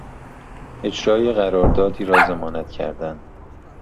اجرای قراردادی را ضمانت کردن